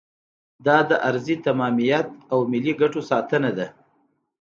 دا د ارضي تمامیت او ملي ګټو ساتنه ده.